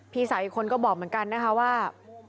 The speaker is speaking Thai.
พี่สาวอีกคนก็บอกเหมือนกันนะคะว่า